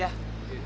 ya udah deh